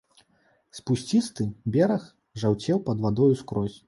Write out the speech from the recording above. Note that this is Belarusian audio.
Спусцісты бераг жаўцеў пад вадою скрозь.